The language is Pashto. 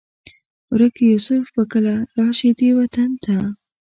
ورک یوسف به کله؟ راشي دې وطن ته